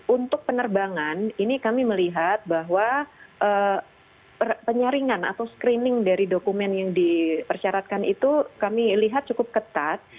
untuk penerbangan ini kami melihat bahwa penyaringan atau screening dari dokumen yang dipersyaratkan itu kami lihat cukup ketat